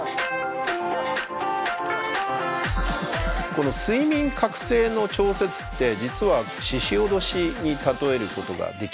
この睡眠覚醒の調節って実はししおどしに例えることができます。